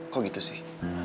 kok gitu sih